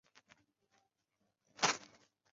三角叶驴蹄草为毛茛科驴蹄草属下的一个变种。